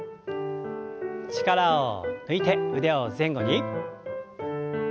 力を抜いて腕を前後に。